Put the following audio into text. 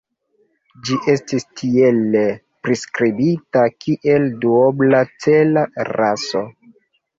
Ĝi estis tiele priskribita kiel duobla-cela raso.